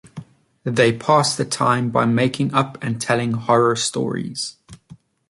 They pass the time by making up and telling horror stories.